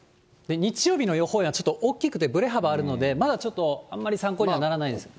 日曜日の予報円がちょっと大きくて、ぶれ幅あるので、まだちょっとあんまり参考にはならないです。